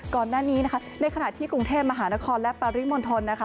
ก่อนหน้านี้นะคะในขณะที่กรุงเทพมหานครและปริมณฑลนะคะ